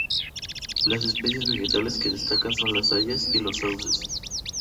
Las especies vegetales que destacan son las hayas y los sauces.